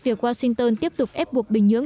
việc washington tiếp tục ép buộc bình nhưỡng